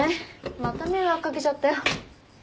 また迷惑掛けちゃったよ。